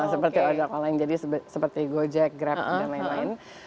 seperti ojek online jadi seperti gojek grab dan lain lain